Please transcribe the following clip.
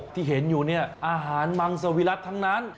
ที่เห็นอยู่เนี่ยอาหารมังสวิรัติทั้งนั้น